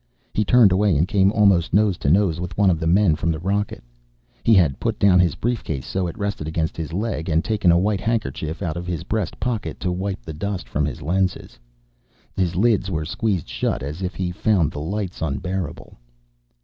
He turned away and came almost nose to nose with one of the men from the rocket. He had put down his briefcase so it rested against his leg and taken a white handkerchief out of his breast pocket to wipe the dust from his lenses. His lids were squeezed shut as if he found the lights unbearable.